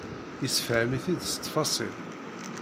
Yessefhem-it-id s ttfaṣil.